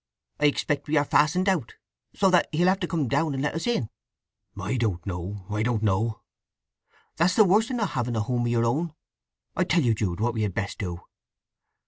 I expect we are fastened out, so that he'll have to come down and let us in." "I don't know—I don't know." "That's the worst of not having a home of your own. I tell you, Jude, what we had best do.